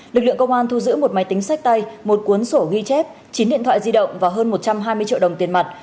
lực lượng công an thu giữ một máy tính sách tay một cuốn sổ ghi chép chín điện thoại di động và hơn một trăm hai mươi triệu đồng tiền mặt